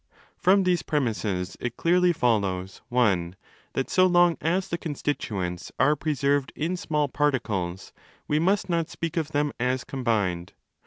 From these premises it clearly follows (i) that so long as the constituents are preserved in small par ticles, we must not speak of them as'combined'.